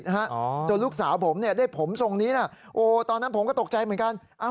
เฮ้ยเฮ้ยเฮ้ยเฮ